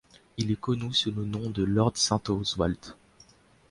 Il est connu sous le nom de Lord St Oswald.